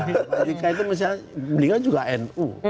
ketika itu misalnya beliau juga nu